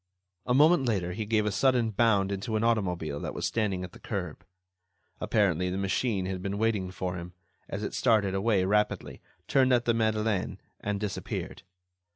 A moment later, he gave a sudden bound into an automobile that was standing at the curb. Apparently, the machine had been waiting for him, as it started away rapidly, turned at the Madeleine and disappeared.